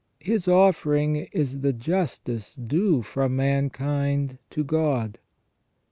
His offering is the justice due from mankind to God.